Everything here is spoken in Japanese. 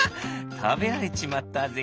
たべられちまったぜ」。